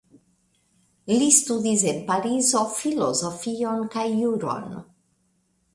Li studis en Parizo filozofion kaj juron.